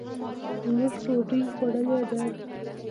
مونږ ډوډۍ خوړلې ده.